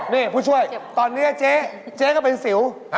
นี่ผู้ช่วยตอนนี้เจ๊เจ๊ก็เป็นสิว